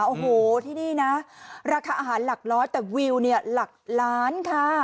โอ้โหที่นี่นะราคาอาหารหลักร้อยแต่วิวเนี่ยหลักล้านค่ะ